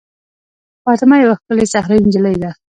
فاطمه یوه ښکلې صحرايي نجلۍ ده.